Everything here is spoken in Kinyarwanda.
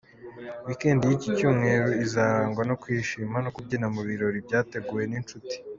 Weekend y’iki cyumweru, izarangwa no kwishima no kubyina mu birori byateguwe n’inshuti.